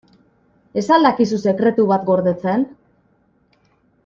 Ez al dakizu sekretu bat gordetzen?